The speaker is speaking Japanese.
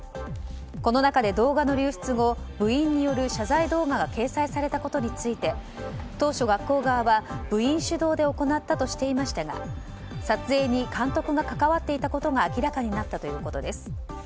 この中で動画の流出後部員による謝罪動画が掲載されたことについて当初、学校側は部員主導で行ったとしていましたが撮影に監督が関わっていたことが明らかになったということです。